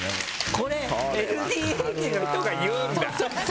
これ、ＬＤＨの人が言うんだ。